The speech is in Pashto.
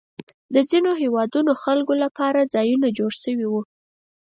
د ځینو هېوادونو خلکو لپاره ځایونه جوړ شوي وو.